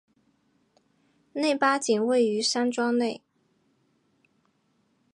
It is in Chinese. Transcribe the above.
内八景位于山庄内。